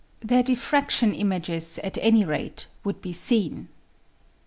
Their diffraction images, at any rate, would be seen.